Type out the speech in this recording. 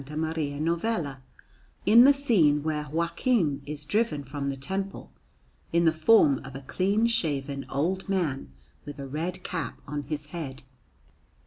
Maria Novella, in the scene where Joachim is driven from the Temple, in the form of a clean shaven old man with a red cap on his head.